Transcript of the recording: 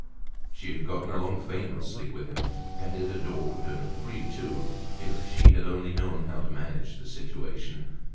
She had gotten along famously with him, petted, adored, and free, too, if she had only known how to manage the situation.